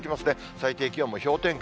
最低気温も氷点下。